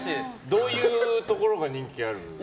どういうところが人気あるの？